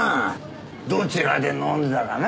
どちらで飲んでたかな。